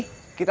masih di sini